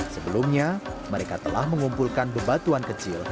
sebelumnya mereka telah mengumpulkan bebatuan kecil